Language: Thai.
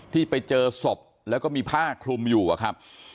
ที่ไปเจอศพแล้วก็มีผ้าคลุมอยู่อะครับ